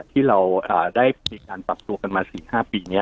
ที่เราได้มีการปรับตัวกันมา๔๕ปีนี้